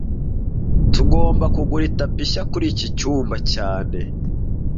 Tugomba kugura itapi nshya kuri iki cyumba cyane